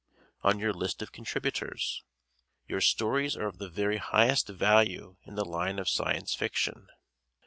on your list of contributors. Your stories are of the very highest value in the line of Science Fiction.